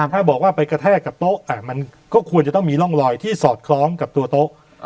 ถ้าบอกว่าไปกระแทกกับโต๊ะมันก็ควรจะต้องมีร่องรอยที่สอดคล้องกับตัวโต๊ะ